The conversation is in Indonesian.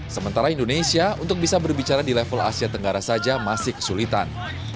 sementara indonesia untuk bisa berbicara di level asia tenggara saja masih kesulitan